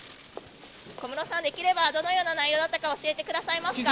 小室さん、できればどのような内容だったか教えてくださいますか？